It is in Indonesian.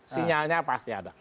sinyalnya pasti ada